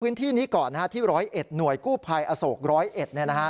วินที่นี้ก่อนที่ร้อยเอ็ดหน่วยกู้ภัยอโศกร้อยเอ็ด